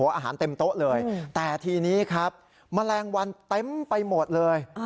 อาหารเต็มโต๊ะเลยแต่ทีนี้ครับแมลงวันเต็มไปหมดเลย